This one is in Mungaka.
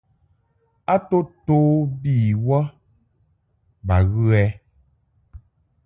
A to to bi wə ba ghə ɛ?